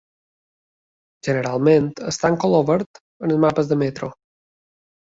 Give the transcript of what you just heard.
Generalment, està en color verd als mapes de metro.